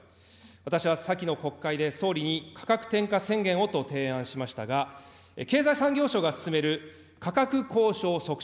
私は先の国会で総理に価格転嫁宣言をと提案しましたが、経済産業省が進める価格交渉促進